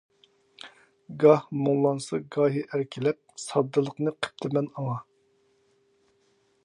گاھ، مۇڭلانسام گاھى ئەركىلەپ، ساددىلىقنى قىپتىمەن ئاڭا.